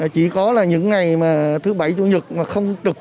chỉ có là những ngày mà thứ bảy chủ nhật mà không trực